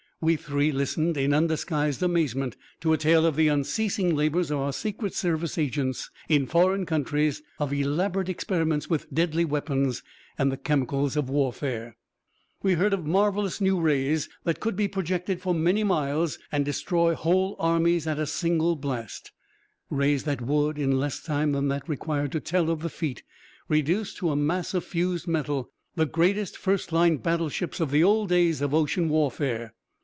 We three listened in undisguised amazement to a tale of the unceasing labors of our Secret Service agents in foreign countries, of elaborate experiments with deadly weapons and the chemicals of warfare. We heard of marvelous new rays that could be projected for many miles and destroy whole armies at a single blast; rays that would, in less time than that required to tell of the feat, reduce to a mass of fused metal the greatest firstline battleships of the old days of ocean warfare.